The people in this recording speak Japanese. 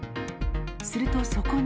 するとそこに。